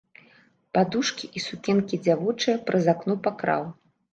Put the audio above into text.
Падушкі і сукенкі дзявочыя праз акно пакраў.